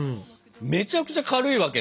めちゃくちゃ軽いわけよ。